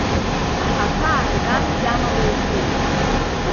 Аҳақәа аарган гьамала ирфеит.